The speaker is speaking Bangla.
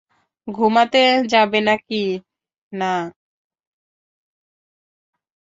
ঘুমাতে যাবে নাকি না?